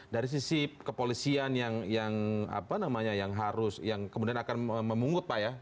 dari sisi kepolisian yang apa namanya yang harus yang kemudian akan memungut pak ya